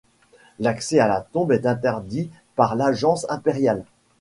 L’accès à la tombe est interdit par l’Agence impériale.